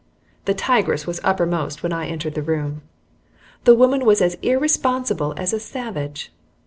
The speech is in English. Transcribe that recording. The tigress was uppermost when I entered the room. The woman was as irresponsible as a savage.